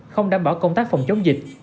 không đảm bảo công tác phòng chống dịch